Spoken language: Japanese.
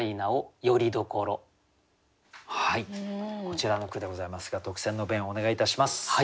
こちらの句でございますが特選の弁をお願いいたします。